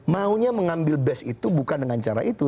maunya mengambil best itu bukan dengan cara itu